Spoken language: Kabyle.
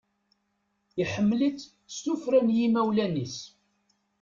Iḥemmel-itt s tuffra n yimawlan-is.